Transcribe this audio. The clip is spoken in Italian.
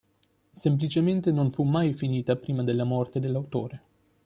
Semplicemente non fu mai finita prima della morte dell'autore.